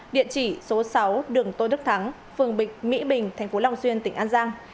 điện chỉ số sáu đường tô đức thắng phường bịch mỹ bình tp lòng xuyên tỉnh an giang